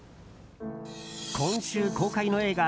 今週公開の映画